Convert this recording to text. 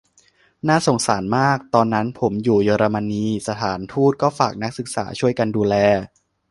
น่าสงสารมาก : ตอนนั้นผมอยู่เยอรมนี สถานทูตก็ฝากนักศึกษาช่วยกันดูแล